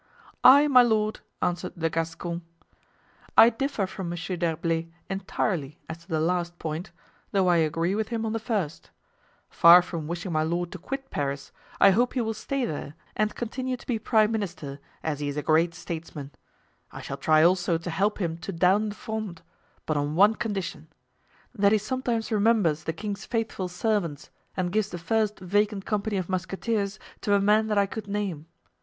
"I, my lord," answered the Gascon, "I differ from Monsieur d'Herblay entirely as to the last point, though I agree with him on the first. Far from wishing my lord to quit Paris, I hope he will stay there and continue to be prime minister, as he is a great statesman. I shall try also to help him to down the Fronde, but on one condition—that he sometimes remembers the king's faithful servants and gives the first vacant company of musketeers to a man that I could name.